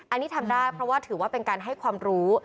อันนี้ทำได้เพราะว่าถือว่าเป็นการให้ความรู้